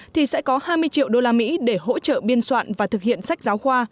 thì sẽ có hai mươi triệu đô la mỹ để hỗ trợ biên soạn và thực hiện sách giáo khoa